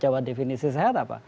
coba definisi sehat apa